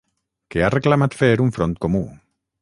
Que ha reclamat fer un front comú.